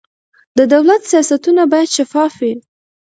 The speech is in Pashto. د دولت سیاستونه باید شفاف وي